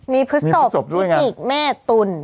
มีพฤศพพฤกษิกส์แม่ตุ้น